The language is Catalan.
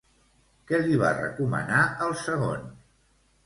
Què li va recomanar al segon?